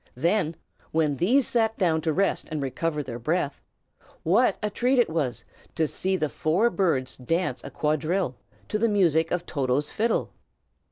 Then, when these sat down to rest and recover their breath, what a treat it was to see the four birds dance a quadrille, to the music of Toto's fiddle!